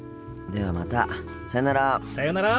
ではまたさよなら。